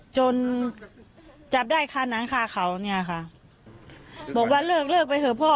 จนจับได้ค่าหนังคาเขาเนี่ยค่ะบอกว่าเลิกเลิกไปเถอะพ่อ